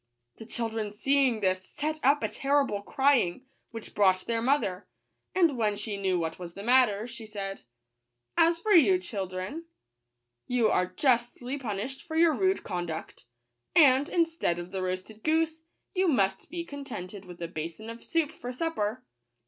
The children see ing this set up a terrible crying, which brought their mother ; and when she knew what was the matter, she said, " As for you, children, S you are justly punished for your rude con duct ; and, instead of the roasted goose, you must be contented with a basin of soup for supper."